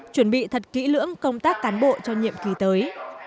chuẩn bị thật kỹ lưỡng công tác cán bộ cho nhiệm kỳ tới